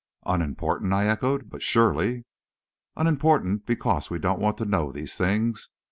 "Unimportant?" I echoed. "But surely " "Unimportant because we don't want to know these things.